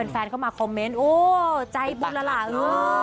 แฟนเข้ามาคอมเมนต์โอ้วใจบุญละล่ะเอ้ย